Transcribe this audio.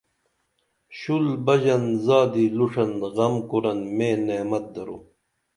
شُل بژن زادی لُشن غم کُرن مے نعمت درو